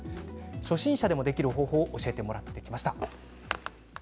初心者でもできる方法を教えてもらいました。